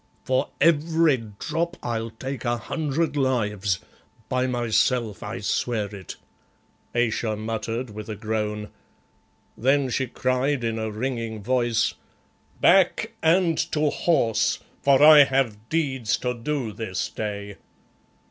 "For every drop I'll take a hundred lives. By myself I swear it," Ayesha muttered with a groan. Then she cried in a ringing voice, "Back and to horse, for I have deeds to do this day.